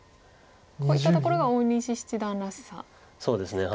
こういったところが大西七段らしさですか。